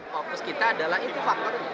fokus kita adalah itu faktor